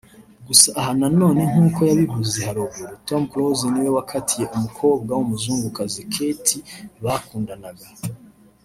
gusa aha nanone nkuko yabivuze haruguru Tom Close niwe wakatiye umukobwa w’umuzungukazi “Ketty” bakundanaga